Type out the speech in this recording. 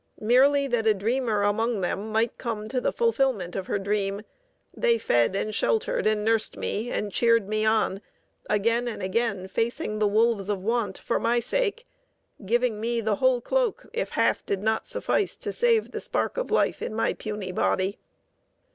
Merely that a dreamer among them might come to the fulfillment of her dream, they fed and sheltered and nursed me and cheered me on, again and again facing the wolves of want for my sake, giving me the whole cloak if the half did not suffice to save the spark of life in my puny body.